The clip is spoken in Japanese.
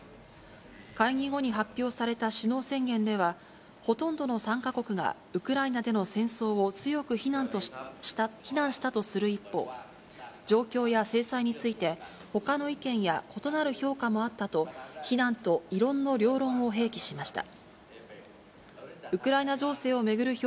会議後に発表された首脳宣言では、ほとんどの参加国が、ウクライナでの戦争を強く非難したとする一方、状況や制裁について、ほかの意見や異なる評価もあったと、非難と異論の両論を併記しました。